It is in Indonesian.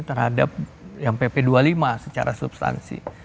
terhadap yang pp dua puluh lima secara substansi